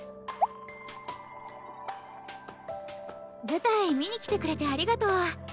舞台見に来てくれてありがとう。